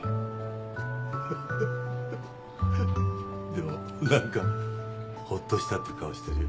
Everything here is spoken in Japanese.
でも何かほっとしたって顔してるよ。